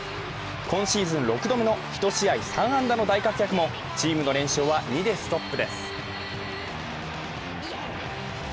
今シーズン６度目の１試合３安打の大活躍もチームの連勝は２でストップです。